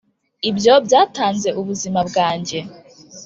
ibyo byatanze ubuzima bwanjye.